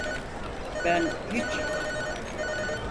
Ben hiç…